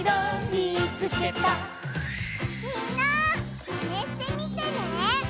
みんなマネしてみてね！